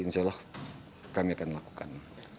insya allah kami akan lakukan